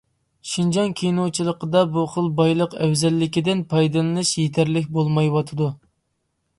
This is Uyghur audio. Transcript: شىنجاڭ كىنوچىلىقىدا بۇ خىل بايلىق ئەۋزەللىكىدىن پايدىلىنىش يېتەرلىك بولمايۋاتىدۇ.